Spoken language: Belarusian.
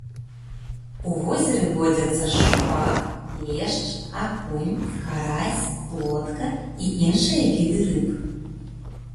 У возеры водзяцца шчупак, лешч, акунь, карась, плотка і іншыя віды рыб.